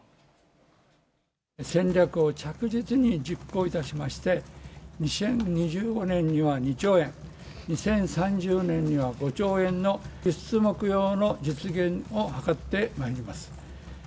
戦略を着実に実行いたしまして、２０２５年には２兆円、２０３０年には５兆円の輸出目標の実現を図ってまいります。